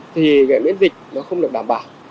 thì miễn dịch không được đảm bảo